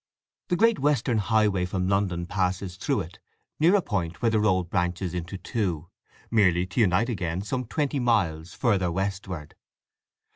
The great western highway from London passes through it, near a point where the road branches into two, merely to unite again some twenty miles further westward.